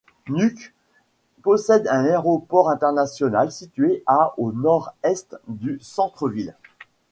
Nuuk possède un aéroport international situé à au nord-est du centre-ville.